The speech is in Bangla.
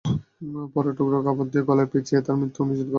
পরে টুকরা কাপড় দিয়ে গলায় পেঁচিয়ে তাঁর মৃত্যুও নিশ্চিত করেন মাহফুজ।